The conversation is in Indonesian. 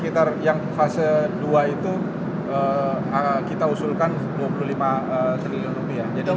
sekitar yang fase dua itu kita usulkan dua puluh lima triliun rupiah jadi